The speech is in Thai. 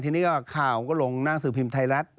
ทีนี้ก็ข่าวก็ลงหน้าสื่อพิมพ์ไทยรัฐ